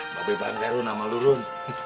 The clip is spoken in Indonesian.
babi banggaru nama lu run